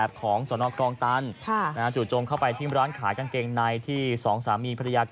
ผมก็เลยถามนี่ไงไม่ได้หรอ